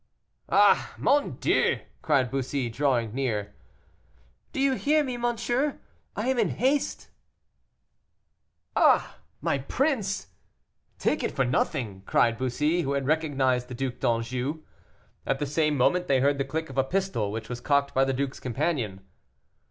"Ah, mon Dieu!" cried Bussy, drawing near. "Do you hear me, monsieur? I am in haste." "Ah! my prince, take it for nothing," cried Bussy, who had recognized the Duc d'Anjou. At the same moment they heard the click of a pistol, which was cocked by the duke's companion.